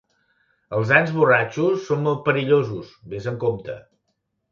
Els ants borratxos són molt perillosos, ves amb compte.